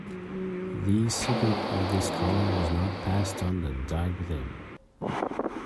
The secret of this colour was not passed on and died with him.